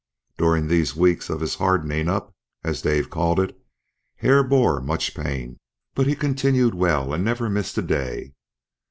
During these weeks of his "hardening up," as Dave called it, Hare bore much pain, but he continued well and never missed a day.